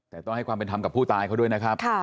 แต่ต้องให้ความเป็นธรรมกับผู้ตายเขาด้วยนะครับ